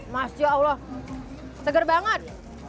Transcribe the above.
masya allah segar banget